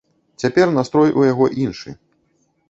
Цяпер настрой у яго іншы.